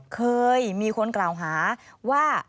เคยมีคนกล่าวหาว่า